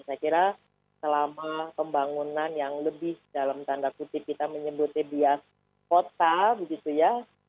saya kira selama pembangunan yang lebih dalam tanda kutip kita menyebutnya bias kota begitu ya